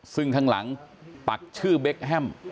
ซึ่งข้างหลังปักชื่อเบคแฮม